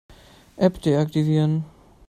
App deaktivieren.